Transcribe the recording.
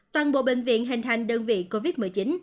toàn bộ bệnh viện hình thành đơn vị covid một mươi chín